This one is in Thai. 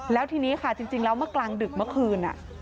แล้วทีนี้ค่ะจริงแล้วเมื่อกลางดึกเมื่อคืน